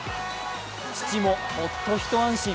父も、ホッと一安心。